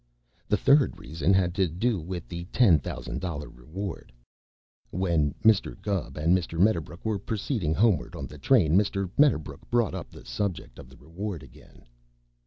The third reason had to do with the ten thousand dollar reward. When Mr. Gubb and Mr. Medderbrook were proceeding homeward on the train, Mr. Medderbrook brought up the subject of the reward again.